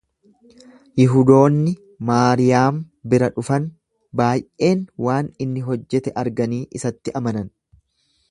Yihudoonni Maariyaam bira dhufan baay'een waan inni hojjete arganii isatti amanan.